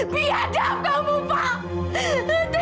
biadab kamu pak